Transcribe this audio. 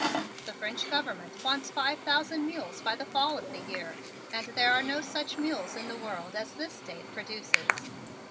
The French Government wants five thousand mules by the fall of the year, and there are no such mules in the world as this State produces.